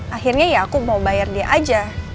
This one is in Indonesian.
akhirnya ya aku mau bayar dia aja